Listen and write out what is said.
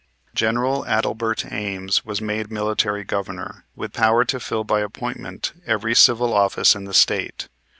General Adelbert Ames was made Military Governor, with power to fill by appointment every civil office in the State.